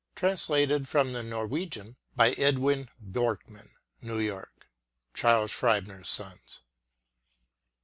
Translated from the Norwegian by Edwin Bjork man. New York; Charles Scribner's Sons.